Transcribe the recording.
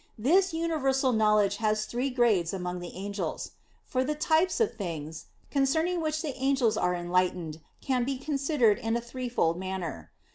This universal knowledge has three grades among the angels. For the types of things, concerning which the angels are enlightened, can be considered in a threefold manner.